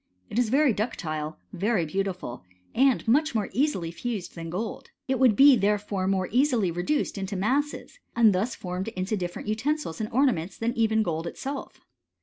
It is very ductile, very beautiful, and much more easily fused than gold : it would be therefore more easily reduced into masses, and formed into different utensils and orna ments than even gold itself.